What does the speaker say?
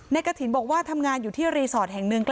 กระถิ่นบอกว่าทำงานอยู่ที่รีสอร์ทแห่งหนึ่ง